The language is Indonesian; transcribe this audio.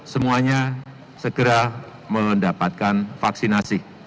semuanya segera mendapatkan vaksinasi